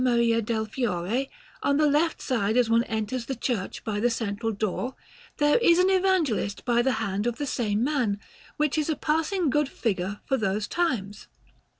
Maria del Fiore, on the left side as one enters the church by the central door, there is an Evangelist by the hand of the same man, which is a passing good figure for those times.